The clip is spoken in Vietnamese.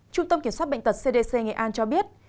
trung tâm kiểm soát bệnh tật cdc nghệ an cho biết